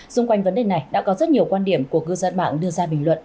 xung quanh vấn đề này đã có rất nhiều quan điểm của cư dân mạng đưa ra bình luận